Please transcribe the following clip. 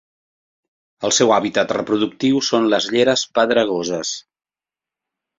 El seu hàbitat reproductiu són les lleres pedregoses.